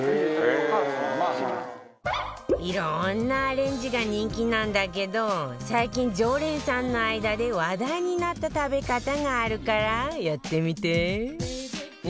いろんなアレンジが人気なんだけど最近常連さんの間で話題になった食べ方があるからやってみて